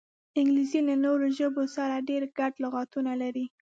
انګلیسي له نورو ژبو سره ډېر ګډ لغاتونه لري